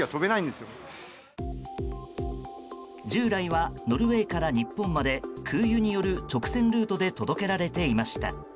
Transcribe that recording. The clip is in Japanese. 従来はノルウェーから日本まで空輸による直線ルートで届けられていました。